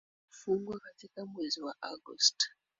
Shule hufungwa katika mwezi wa Agosti.